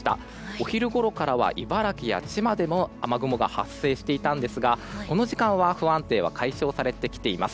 お昼ごろからは茨城や千葉でも雨雲が発生していたんですがこの時間は不安定が解消されてきています。